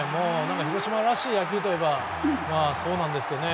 広島らしい野球といえばそうなんですけどね。